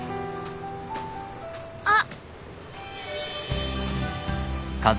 あっ。